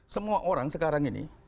semua orang sekarang ini